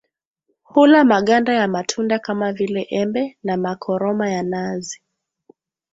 Hula maganda ya matunda kama vile Embe na makoroma ya nazi